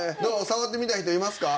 触ってみたい人いますか？